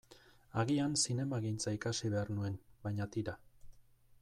Agian zinemagintza ikasi behar nuen, baina tira.